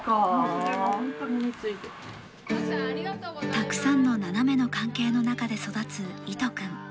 たくさんのナナメの関係の中で育つ、いと君。